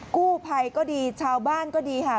กู้ภัยก็ดีชาวบ้านก็ดีค่ะ